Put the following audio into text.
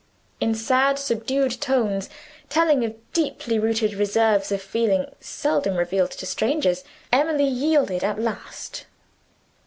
In sad subdued tones telling of deeply rooted reserves of feeling, seldom revealed to strangers Emily yielded at last.